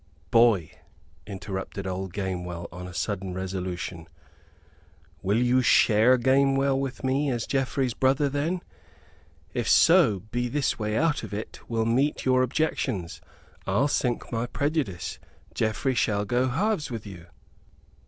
"Boy," interrupted old Gamewell, on a sudden resolution, "will you share Gamewell with me as Geoffrey's brother, then? If so be this way out of it will meet your objections, I'll sink my prejudice. Geoffrey shall go halves with you."